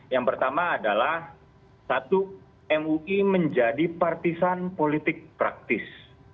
yang pertama adalah satu mui menjadi partisan politik praktis